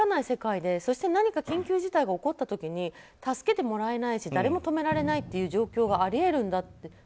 世界でそして何か緊急事態が起こった時に助けてもらえないし誰も止められない状況があり得るんだと。